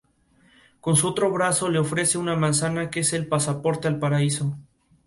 Con su otro brazo le ofrece una manzana que es el pasaporte al Paraíso.